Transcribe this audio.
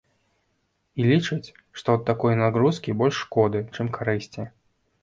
І лічыць, што ад такой нагрузкі больш шкоды, чым карысці.